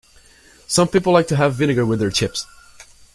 Some people like to have vinegar with their chips